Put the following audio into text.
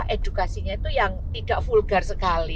edukasinya itu yang tidak vulgar sekali